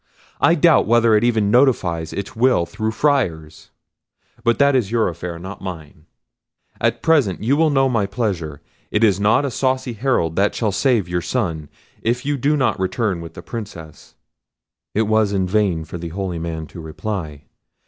I doubt whether it even notifies its will through Friars—but that is your affair, not mine. At present you know my pleasure; and it is not a saucy Herald that shall save your son, if you do not return with the Princess." It was in vain for the holy man to reply.